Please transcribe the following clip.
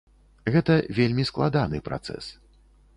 Гэта вельмі складаны працэс.